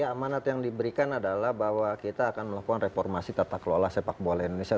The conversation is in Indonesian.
ya amanat yang diberikan adalah bahwa kita akan melakukan reformasi tata kelola sepak bola indonesia